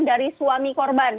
dari suami korban